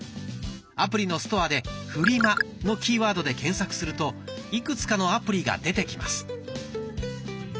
アプリのストアで「フリマ」のキーワードで検索するといくつかのアプリが出てきます。